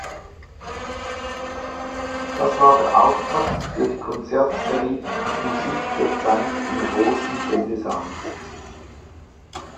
Das war der Auftakt für die Konzertserie "Musik der Zeit" im Großen Sendesaal.